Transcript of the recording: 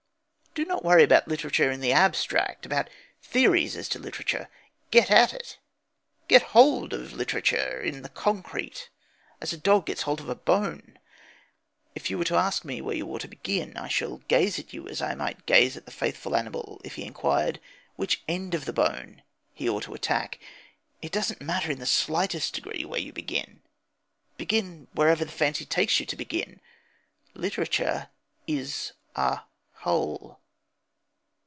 Do not worry about literature in the abstract, about theories as to literature. Get at it. Get hold of literature in the concrete as a dog gets hold of a bone. If you ask me where you ought to begin, I shall gaze at you as I might gaze at the faithful animal if he inquired which end of the bone he ought to attack. It doesn't matter in the slightest degree where you begin. Begin wherever the fancy takes you to begin. Literature is a whole.